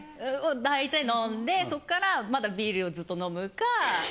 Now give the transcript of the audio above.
だいたい飲んでそっからまだビールをずっと飲むか。